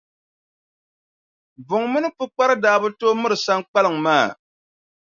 Buŋa mini Pukpara daa bi tooi miri Saŋkpaliŋ maa.